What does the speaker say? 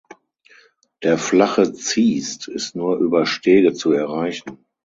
Der flache Ziest ist nur über Stege zu erreichen.